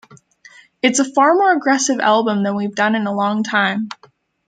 It's a far more aggressive album than we've done in a long time.